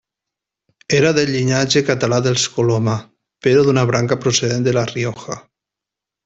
Era del llinatge català dels Coloma però d'una branca procedent de la Rioja.